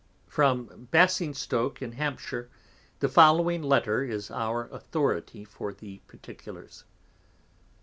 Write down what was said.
_ From Basingstoke in Hampshire, the following Letter is our Authority for the Particulars.